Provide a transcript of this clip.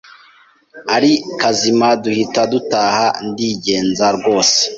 ari kazima duhita dutaha ndigenza rwose,